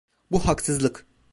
Bu haksızlık.